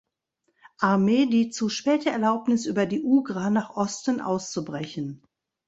Armee die zu späte Erlaubnis über die Ugra nach Osten auszubrechen.